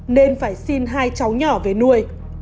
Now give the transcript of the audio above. nên phải xin hai cháu nhỏ về nuôi